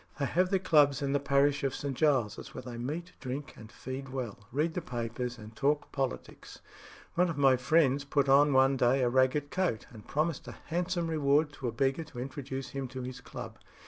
They have their clubs in the parish of St. Giles's, where they meet, drink and feed well, read the papers, and talk politics. One of my friends put on one day a ragged coat, and promised a handsome reward to a beggar to introduce him to his club.